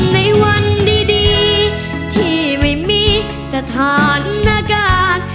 ในวันดีที่ไม่มีสถานการณ์